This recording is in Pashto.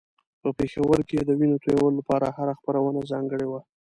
په پېښور کې د وينو تویولو لپاره هره خپرونه ځانګړې وه.